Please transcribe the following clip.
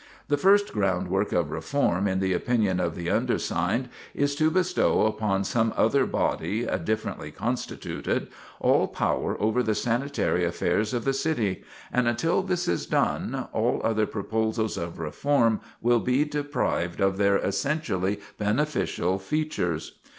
"The first groundwork of reform, in the opinion of the undersigned, is to bestow upon some other body, differently constituted, all power over the sanitary affairs of the city; and, until this is done, all other proposals of reform will be deprived of their essentially beneficial features.